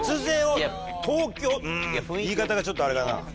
うん言い方がちょっとあれだな。